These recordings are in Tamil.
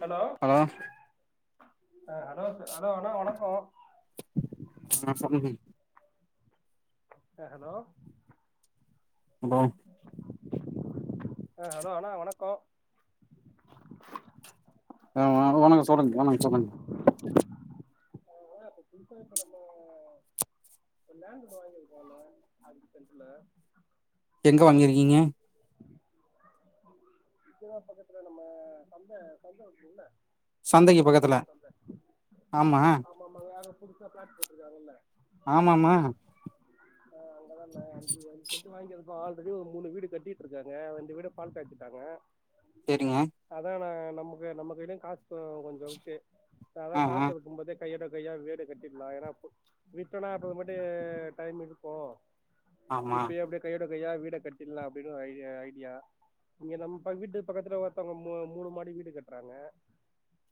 ஹலோ அ அலோ அலோ வணக்கோ அ சொல்லுங்க அ ஹலோ அலோ அ ஹலோ அண்ண வணக்கோ அ வ வணக் சொலுங் வணக் சொலுங் [unintelligible] புதுசா இப்ப நம்ம ஒரு லேண்ட் ஒன்னு வாங்கிருக்கோண்ண அதுக்கு சென்ட்ருல எங்க வாங்கியிருக்கீங்க இங்கதா பக்கத்துல நம்ம சந்த சந்த இருக்குல்ல சந்தக்கி பக்கத்துல ஆமா மாமா யாரோ புதுசா ப்ளாட் போட்ருக்காங்கல்ல ஆமாமா அ அங்கதா நா அஞ்சு அஞ்சு செண்டு வாங்கிருக்கோ ஆல்ரெடி ஒரு மூணு வீடு கட்டிட்ருக்காங்க ரெண்டு வீட பால் காச்சிட்டாங்க [unintelligible] செரிங்க அதா நா நமக்கு நம்ம கைலயும் காஸ் கொஞ்சருக்கு அதா ஆ ஆ காசுருக்கும்போதே கையோட கையா வீடு கட்டிட்லாம் ஏனா விட்டனா அப்புறமெட்டு டைமிருக்கோ ஆமா இப்பயே அப்டி கையோட கையா வீட கட்டில்லா அப்டின் ஒரு ஐடிய ஐடியா இங்க நம்ப்ப வீட்டு பக்கத்துல ஒருத்தங்க மூ மூணு மாடி வீடு கட்றாங்க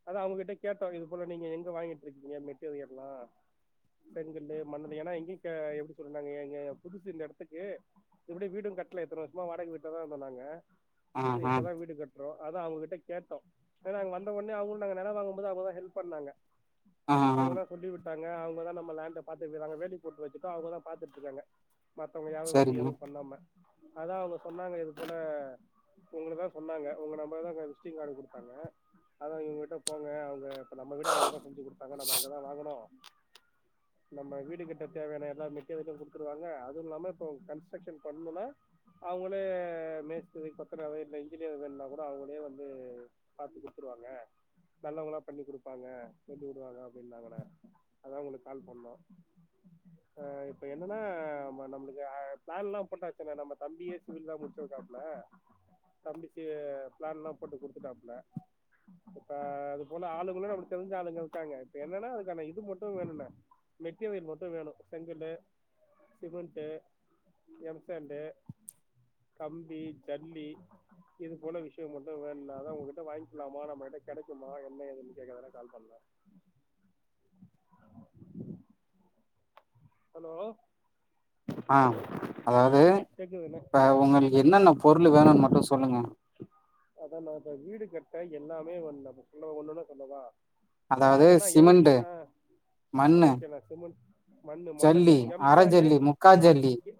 அதா அவுங்ககிட்ட கேட்ட இது போல நீங்க எங்க வாங்கிட்றிக்கீங்க மெட்டீரியெல்லா செங்கல்லு மணலு ஏனா எங்கயு கெ எப்டி சொல்ற நாங்க எங்க புதுசு இந்த எடத்துக்கு இப்டி வீடும் கட்ல இத்ன வருஷமா வாடக வீட்ல தா இருந்தோ நாங்க ஆ சரி ஆ இப்பதான் வீடு கட்றோ அதா அவுங்ககிட்ட கேட்ட ஏனா வந்த ஒன் சே அவுங்குன் நாங்க நெலம் வாங்கும்போது அவுங்கதா ஹெல்ப் பண்ணாங்க ஆ ஆ அவுங்க தா சொல்லிவுட் டாங்க அவுங்கதான் நம்ம லேண்ட பாத்துட்ருக்காங்க வேலி போட்டு வச்சுட்டோ அவுங்கதா பாத்துட்ருக்காங்க மத்தவுங்க யாரு வந்து சரிங்க எதுவு பண்ணாம அதா அவுங்க சொன்னாங்க இது போல ஒங்களதான் சொன்னாங்க ஒங்க நம்பர் தா க விசிட்டிங் கார்டு குடுத்தாங்க அதா இவுங்ககிட்ட போங்க அவுங்க இப்ப நம்ம வீட அவுங்கதா செஞ்சு குடுத்தாங்க நம்ம அங்கதா வாங்குணோ நம்ம வீடு கட்ட தேவையான எல்லா மெட்டிரியலு குடுத்துருவாங்க அதுல்லாம இப்போ கன்ஸ்ட்ரக் ஷன் பண்ணுனா அவுங்களே மேஸ்திரி கொத்தனாரு இல்ல இன்ஜினியரு வேணுனா கூட அவுங்களே வந்து பாத்துக் குத் துருவாங்க நல்லவங்களா பண்ணி குடுப்பாங்க சொல்லிவுடுவாங்க அப்டின்னாங்கண்ண அதா ஒங்குளுக்கு கால் பண்ணோ ஆ இப்ப என்னன்னா நம்முளுக்கு ப்ளான்லா போட்டாச்சுண்ண நம்ப தம்பியே சிவில் லா முடிச் சிருக்காப்ல தம்பி சி ப்ளான்லா போட்டுக் குடுத்துட்டாப்புல இப்ப அது போல ஆளுங்களு நம்மளுக்கு தெரிஞ்ச ஆளுங்க இருக்காங்க இப்ப என்னனா அதுக்கான இது மட்டு வேணுண்ண மெட்டிரியல் மட்டு வேணு செங்கல்லு சிமெண்ட்டு எம்சேண்டு கம்பி ஜல்லி இது போல விஷயம் மட்டும் வேண்ண அதா உங்கக்கிட்ட வாங் கிலாமா நம்மக்கிட்ட கெடைக்குமா என்ன ஏதுன் கேக்கதாண்ண கால் பண்ண ஹலோ ஆ அதாது கேக்குதுண்ண இப்ப ஆ உங்களுக்கு என்னென்ன பொருள் வேணுன் மட்டு சொல்லுங்க அதாண்ண இப்ப வீடு கட்ட எல்லாமே வேணு நமக்கு இல்ல ஒன்னொன்னா சொல்லவா ஏனா அதாவது அது ஆனா எவ்ள சிமெண்ட்டு ஆ மண்ணு ஓகேண்ண சிமெண்ட் மண்ணு மணலு ஜல்லி அர எம்சேண்டு ஜல்லி முக்கா ஆ ஜல்லி எ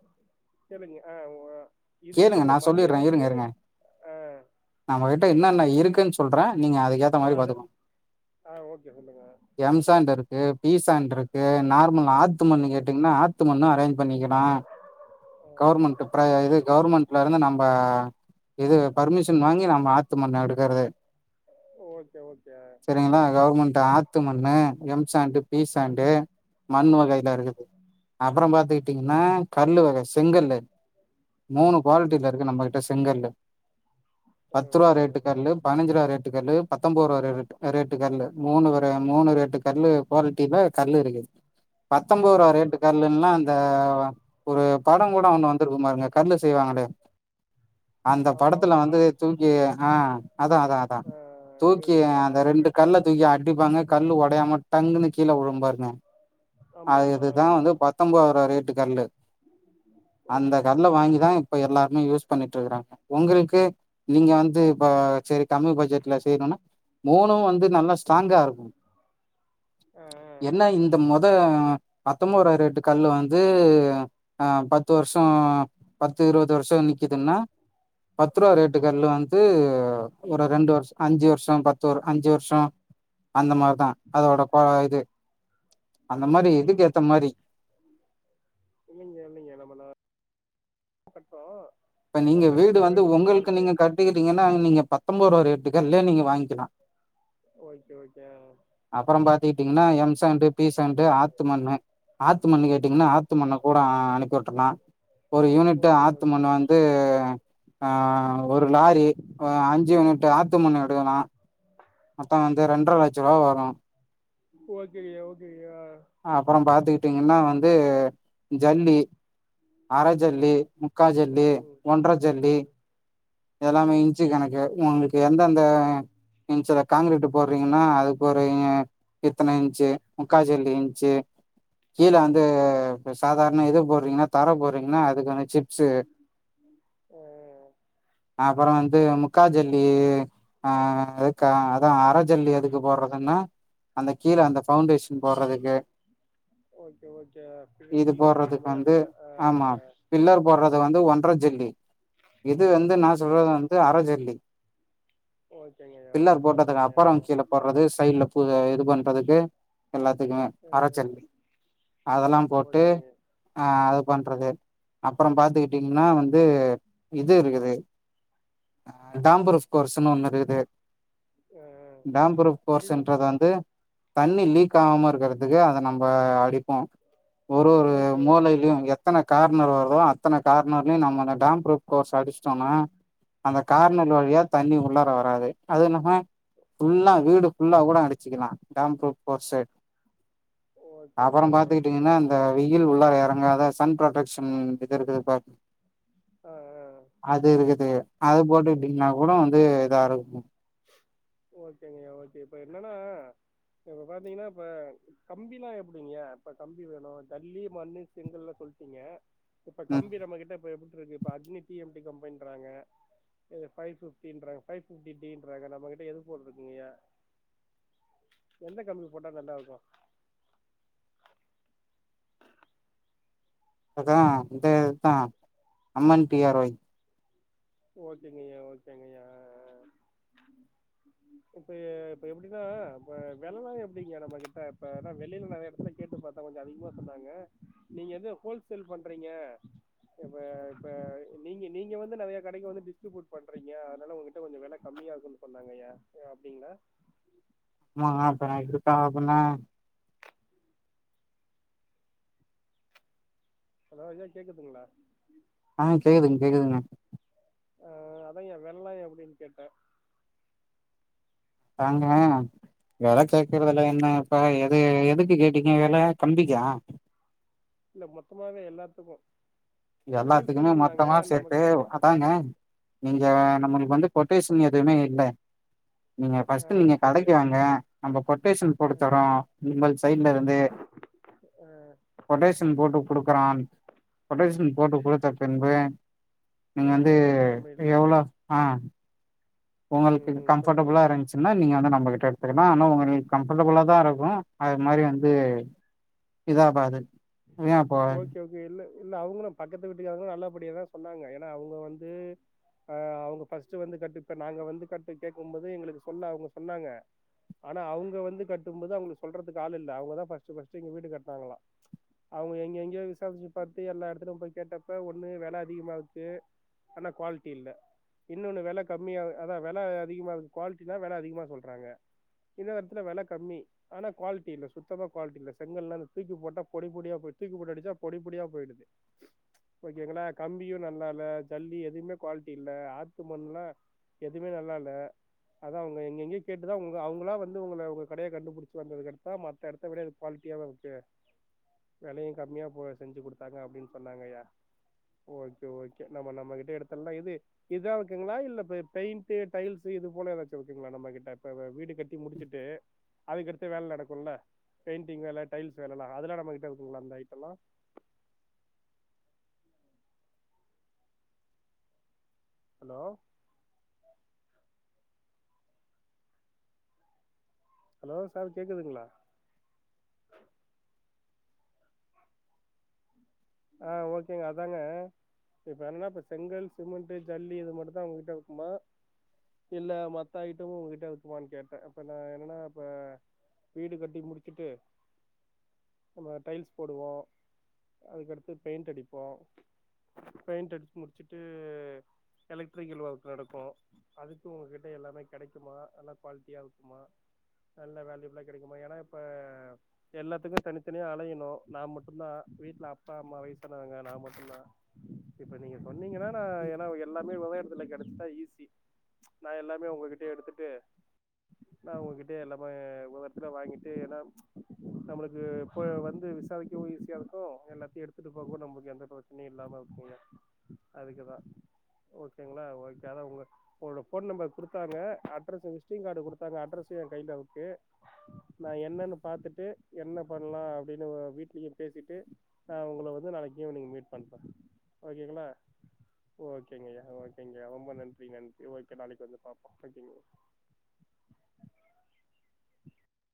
தெர்லீங்க ஆ ஒ இது கேளுங்க இன்னொன்னு நா மண்ணு வந்து ஆ நம்மக்கிட்ட என்னன்னா இருக்குன்னு சொல்ற நீங்க அதுக்கேத் ஆ அது ஆ ஓகே சொல்லுங்க எம் சாண்ட் இருக்கு பி சாண்ட் இருக்கு நார்மல் ஆத்து மண்ணு கேட்டீங்கனா ஆத்து மண்ணு அரேஞ்ச் பண்ணிக்கலா ஆ கவர்மெண்ட் ப்ர இது கவுர்மெண்ட்லேருந்து நம்ப இது பர்மிஷன் வாங்கி நம்ம ஆத்து மண்ண எடுக்கறது ஓகே ஓகே செரிங்களா கவர்மெண்ட் ஆத்து மண்ணு எம் சாண்டு பி சாண்டு மண் வகைல இருக்குது அப்பற பாத்துக்கிட்டீங்கனா கல் வக செங்கல்லு மூணு ம் குவாலிட்டில இருக்கு நம்பக்கிட்ட செங்கல்லு பத்து ரூவா ம் ரேட்டு ம் கல்லு பதினஞ்சு ரூவா ரேட்டு கல்லு பத்தொம்போது ரூவா ரே ரேட்டு கல்லு மூணு வெர மூணு ரேட்டு கல்லு குவாலிட்டில கல்லு இருக்குது பத்தொம்பது ரூவா ஓகே ரேட்டு ஓகே கல்லுலா இந்த ஒரு பட கூட ஒண்ணு வந்துருக்கும் பாருங்க கல்லு செய்வாங்களே அந்த ஆமா ஆமா படத்துல வா வந்து தூக்கி ஆ அதா அதா அதா ஆ தூக்கி இருக்குதுதா அந்த பாத்துக்க ரெண்டு கல்ல தூக்கி அடிப்பாங்க கல்லு ஒடையாம டங்குனு கீழ உழும் பாருங்க ஆமா அது ஆமா இதுதா வந்து பத்தொம்பொது ரூவா ரேட்டு கல்லு அந்த ஓகேங்க கல் ல ஓகேங்க வாங்கி தா இப்ப எல்லாருமே யூஸ் பண்ணிட்டுருக்கறாங்க உங்களுக்கு நீங்க வந்து இப்ப செரி கம்மி பட்ஜெட்ல செய்யணுனா மூணு வந்து நல்லா ஸ்ட்ராங்கா இருக்கு ஆ ஆ என்னா இந்த மொத பத்தொம்பதுருவா ரேட்டு கல்லு வந்து ஆ பத்து வருஷோ பத்து இருவது வருஷோ நிக்கிதுன்னா பத்து ரூவா ரேட்டு கல்லு வந்து ஒரு ரெண்டு வருஷோ அஞ்சு வருஷோ பத்து வரு அஞ்சு வருஷோ அந்த மாரி அதா அதோட பொ இது அந்த மாரி இதுக்கேத்த மாரி இல்லங்க இல்லங்க நம்ம நா கட்றோ இப்ப நீங்க நல்ல வீடு கல்லாவே வந்து நல்ல உங்களுக்கு குவாலிட்டி நீங்க கட்டுக்கிறிங்கன்னா நீங்க பத்தொம்பதுருவா ரேட்டுக் கல்லே நீங்க வாங்கிக்கலா ஓகே ஓகே அப்பறம் பாத்துக்கிட்டீங்கன்னா எம் சாண்டு பி சாண்டு ஆத்து மண்ணு ஆத்து மண்ணு கேட்டீங்கன்னா ம் ஆத்து மண்ணகூட அனுப்பி உட்டுல்லா ஒரு யூனிட்டு ஓகே ஓகே ஆத்துமண்ணு வந் து ஆ ஒருலாரி அ அஞ்சு யூனிட்டு ஆத்து மண்ணு எடுக்கலா மொத்தொ வந்து ரெண்ட்ரலட்சருவா வரூ ஓக்கேயா ஓக்கேயா அப்பறொ பாத்துக்கிட்டீங்கன்னா வந்து ஜல்லி அரஜல்லி ம் முக்கா ஜல்லி ம் ம் ஒன்ர ஜல்லி ம் ஆ எல்லாமே இன்ச்சு கணக்கு ஒங்களுக்கு எந்தெந்த இன்ச்சுல காங்க்ரெட்டு் போற்றீங்கன்னா அதுக்கு ஒருங்க இத்தன இன்ச்சு முக்காஜல்லி இன்ச்சு கீழ ஆ அந்து சாதார்ண இது போட்றீங்ன்னா தர போட்றீங்ன்னா அதுக்கான சிப் ஸ் ஆ அப்பறொ வந்து முக்காஜல்லி அ அதுக்கா அதா அர ஜெல்லி எதுக்கு போட்றதுன்னா அந்த கீழ அந்த பவுண்டேஷன் போட்றதுக்கு ஓக்கே ஓக்கே இது போட்றதுக் வந்து ஆம்மா பில்லர் போட்றதுவந்து ஆ ஒன்ற ஜெல்லி இது வந்து நா ஓகே சொல்றது வந்து அரஜெல்லி ஓக்கேங்க பில்லர் போட்டதுக்கப்பறம் கீழ போட்றது சைட்ல புது இது பண்றதுக்கு எல்லாத்துக்குமே ஆ அரஜல்லி அதெல்லா போட்டு ஓகேங்க ஆ அதுபண்றது அப்பறம் பாத்துக்கிட்டீங்ன்னா வந்து இது இருக்குது டாம்பரோஸ் கோர்ஸ்ன்னு ஒண்ணு இருக்குது ஆ டாம்புரூப் அப்படின்னா போர்ஸ்ன்றது வந்து தண்ணி லீக் ஆவாம இருக்கற்து துக்கு அத நம்ப அடிப்போ ஒர் ஒரு ஓகே ஓகே மூளையில்யு எத் அத்தன கார்னர் வருதோ அத்தன கார்னர்லிநம்ம ட டாம்ப்ருகோர்ஸ் அடி சொன்னா அந்த ஆ கார்நல் வழியா தண்ணி உள்ளார வராது அது என்னமா ஃபுல்லா வீடு ஃபுல்லா கூட அடிச்சிக்கலா டாம்ப்ருகோர்செட் அப்பறம் ஓகேங்கய்யா ஓகே பாத்துக்கிட்டீங்க்ன்னா ஓகே இந்த வெயில் உள்ளற எறங்காத சன் ப்ரொடக்ஷன் இது இருக்குது பா அ அ அது இருக்குது அது போட்டுகிட்டீங்ன்னா கூடொ வந்து இதா இருக் ஓக்கேங்க ஓக்கே இப்ப என்னன்னா இப்ப பாத்தீங்ன்னா இப்ப கம்பில்லா எப்டிங்க இப்ப கம்பி வேணு ஐல்லி மண்ணு செங்கல்லா சொல்டீங்க இப்ப ம் கம்பி நம்மகிட்ட ப்ப எப்பட்ருக்கு ப்ப அக்னி டி எம் டி கம்பின்றாங்க இவுர் ஃபைஃபிப்ட்டின் றாங் ஃபைஃபிப்ட்டி டீன்றாங்க நம்மகிட்ட எது போட்டிருக்கீங்கயா எந்த கம்மி போட்டா நல்லாருக்கு அத்தா அந்த இத்தா அம்மன் டி ஆர் ஒய் ஓகேங்ஐயா ஓகேங்ஐயா இப்ப இப்ப எப்டின்னா இப்ப வெல்லொ எப்படிங்க நம்மகிட்ட ப்ப எனா வெளியில நாங்க எடத்தன்னா கேட்டு பாத்தா கொஞ்சொ அதிகமா சொன்னாங்க நீங்க எது ஹோல்சேல் பண்றீங்க ப்ப ப்ப நீங்க நீங்க வந்து நெறைய கடைக்கு வந்து டிஸ்ட்ரிபூட் பண்றீங்க அதுனால உங்கிட்ட கொஞ்சொ வெல கம்மியாருக்குன்னு சொன்னாங்க யா அப்டிங்ளா ம அப்ப ந இருக்காப்பன்னா ஹலோ இது கேக்குதுங்களா ஆ கேக்குதுங் கேக்குதுங்க அ அதாய்யா வெல்ல எப்புடின் கேட்ட தாங்க வெல கேக்குறதுல என்ன இப்பா எது எதுக்கு கேட்டீங்க வெல கம்பிக்கா இல்ல மொத்தமாவே எல்லாத்துக்கு இப்ப எல்லாத்துக்குமே ஹோல்சேலுன்னாங்க மொத்தமா சேத்து நமக்கு அதாங்க நீங்க நம்ளுக்கு வந்து கொட்டேஷன் எதுவுமே இல்ல நீங்க ஆ ஃபர்ஸ்ட்டு நீங்க ஓகே ஓகே கடைக்கு வாங்க நம்ப கொட்டேஷன் ஆ குடுத்தர்றோ விமல் சைட்ல இருந்து அ கொட்டேஷன் போட்டு குடுக்கறான் கொட்டேஷன் போட்டு குடுத்த பின்பு ஆ நீங்க வந்து தமிழ் எவ்ளோ ஆ ம் உங்ளுக்கு ம் சொல்லுங்க கம்பர்டபுளா இருந்ச் னா நீங்க வந்து நம்ப கிட்ட எடுத்துக்லா ஆனா உங்களுக்கு கம்ஃபர்டபுளா தா இருக்கு அது மாரி வந்து இதாகாது ஏ அப்போ ஓகே ஓ கே இல்ல இல்ல அவங்களு பக்கத்து வீட்டுக்காரங்களு நல்லபடியா தா சொன்னாங்க ஏனா அவுங்க வந்து ஆ அவங்க ஃபர்ஸ்ட் வந்து கட்டு இப்ப நாங்க வந்து கட்டு கேக்கும்போது எங்களுக்கு சொல்ல அவங்க சொன்னாங்க ஆனா அவுங்க வந்து கட்டும் போது அவங்ளுக்கு சொல்றதுக்கு ஆள் இல்ல அவங்க தா ஃபர்ஸ்ட் பர்ஸ்ட் இங்க வீடு கட்னாங்களா அவுங்க எங்க எங்கயோ விசாரிச்சு பாத்து எல்லா இடத்துலும் போய் கேட்டப்ப ஒன்னு வெல அதிகமா இருக்கு ஆனா குவாலிட்டி இல்ல இன்னொன்னு வெல கம்மியா அதா வெல அதிகமா இருக் குவாலிட்டினா வெல அதிகமா சொல்றாங்க இன்னொ எடத்தில வெல கம்மி ஆனா குவாலிட்டி இல்ல சுத்தமா குவாலிட்டி இல்ல செங்கல்லா அந்த தூக்கி போட்டா பொடி பொடியா போயி தூக்கு போட்டு அடிச்சா பொடி பொடியா போயிடுது ஓகேங்களா கம்பியு நல்லா இல்ல ஜல்லி எதுவுமே குவாலிட்டி இல்ல ஆத்து மண்லா எதுமே நல்லா இல்ல அதா அவுங்க எங்க எங்கயே கேட்டுதா உங்க அவங்களா வந்து உங்கள உங்க கடயை கண்டுபிடிச்சு வந்ததுக்கடுத்தா மத் த அடுத்த படியா இது குவாலிட்டியாவு விக்கு வெலையு கம்மியா போ செஞ்சு குடுத்தாங்க அப்டின் சொன்னாங்கயா ஓகே ஓகே நம்ம நம்மகிட்ட எடுத்துல்லா இது இதா இருக்குங்ளா இல்ல பெ பெயிண்டு டைல்ஸு இது போல ஏதாச்சு இருக்குங்ளா நம்மகிட்ட இப்ப வ வீடு கட்டி முடிச்சுட்டு அதுக்கடுத்து வேல நடக்குல்ல பெயிண்டிங் வேல டைல்ஸ் வேலல்லா அதுல்லா நம்மகிட்ட இருக்குங்ளா அந்த ஐட்டல்லா ஹலோ ஹலோ சார் கேக்கதுங்ளா ஆ ஓகேங்க அதாங்க இப்ப என்ன இப்ப செங்கல் சிமெண்டு ஜல்லி இது மட்டு தா ஒங்ககிட்ட இருக்குமா இல்ல மத்த ஐட்டமு உங்ககிட்ட இருக்குமான் கேட்டே இப்ப நா என்னனா இப்ப வீடு கட்டி முடிச்சுட்டு நம்ம டைல்ஸ் போடுவோ அதுக்கடுத்து பெயிண்ட் அடிப்போ பெயிண்ட் அடிச்சு முடிச்சுட்டு எலக்ட்ரிக்கல் ஒர்க் நடக்கு அதுக்கு உங்ககிட்ட எல்லாமே கெடைக்குமா நல்லா குவாலிட்டியா இருக்குமா நல்ல வேல்யூபுலா கெடைக்குமா ஏனா இப்ப எல்லாத்துக்கு தனித்தனியா அலையணு நா மட்டுந்தா வீட்ல அப் அப்பா அம்மா வயசானவங்க நா மட்டுந்தா இப்ப நீங்க சொன்னீங்கன்னா நா ஏனா எல்லாமே ஒரே எடத் துல கெடைச்சிட்டா ஈஸி நா எல்லாமே உங்ககிட்டே எடுத்துட்டு நா உங்கிட்டே எல்லாமே ஒரு எத்துல வாங்கிட்டு ஏனா நம்ளுக்கு இப்ப வந்து விசாரிக்கவு ஈஸியா இருக்கு எல்லா எடுத்துட்டு போகவு நமக்கு எந்த பிரச்சனையு இல்லாம இருக்கல்ல அதுக்குதா ஓகேங்ளா ஓகே அதா உங்க உங்ளோட போன் நம்பர் குடுத்தாங்க அட்ரஸ்ஸ விசிட்டிங் கார்டு குடுத்தாங்க அட்ரஸு எ கைல இருக்கு நான் என்னன்னு பாத்துட்டு என்ன பண்ணலாம் அப்டின்னு வீட்லயும் பேசிட்டு நான் உங்கள வந்து நாளைக்கு ஈவ்னிங் மீட் பண்ணுறேன் ஓகேங்களா ஓகேங்கய்யா ஓகேங்கய்யா ரொம்ப நன்றி நன்றி ஓகே நாளைக்கு வந்து பாப்போம் ஓகேங்கா ம்